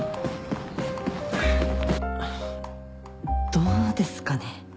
どうですかね。